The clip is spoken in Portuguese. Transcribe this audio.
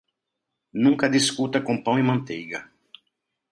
Nunca discuta com pão e manteiga.